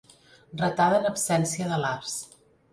Ratada en absència de l'as.